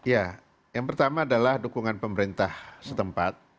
ya yang pertama adalah dukungan pemerintah setempat